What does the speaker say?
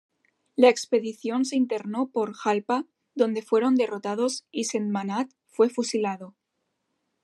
La expedición se internó por Jalpa donde fueron derrotados y Sentmanat fue fusilado.